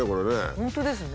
本当ですね。